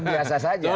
benar biasa saja